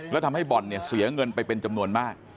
แล้วทำให้บ่อนเนี่ยเสียเงินไปเป็นจำนวนมาก